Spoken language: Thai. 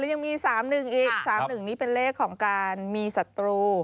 แล้วยังมี๓๑อีก๓๑นี่เป็นเลขของการมีสัตว์ตัว